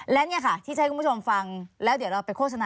และเนี่ยค่ะที่จะให้คุณผู้ชมฟังแล้วเดี๋ยวเราไปโฆษณา